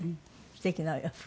すてきなお洋服。